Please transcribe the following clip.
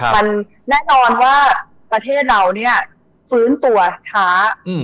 มันแน่นอนว่าประเทศเราเนี่ยฟื้นตัวช้า